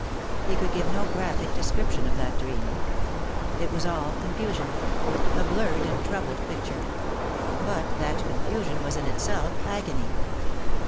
He could give no graphic description of that dream. It was all Drifting Apart, 61 confusion a blurted and troubled picture ; but that confusion was in itself agony.